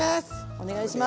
お願いします！